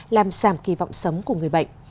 làm giảm kỳ vọng sống của người bệnh